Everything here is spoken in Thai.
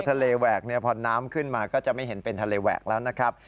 แหวกเนี่ยพอน้ำขึ้นมาก็จะไม่เห็นเป็นทะเลแหวกแล้วนะครับ